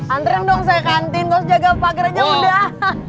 antren dong saya kantin terus jaga pagar aja udah